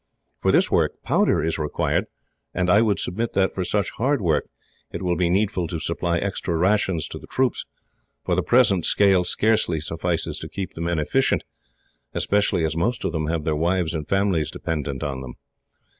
For this work, powder is required. And I would submit that, for such hard work, it will be needful to supply extra rations to the troops, for the present scale scarcely suffices to keep the men efficient, especially as most of them have their wives and families dependent on them."